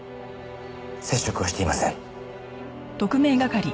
接触はしていません。